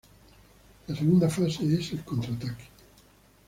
La segunda fase es el contraataque.